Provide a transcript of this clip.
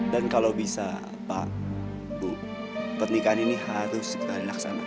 dan kalau bisa pak ibu pernikahan ini harus dilaksanakan